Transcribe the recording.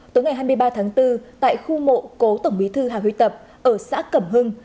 tối ngày hai mươi ba tháng bốn tại khu mộ cố tổng bí thư hà huy tập ở xã cẩm hưng